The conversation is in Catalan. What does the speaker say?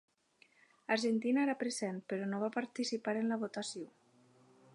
Argentina era present però no va participar en la votació.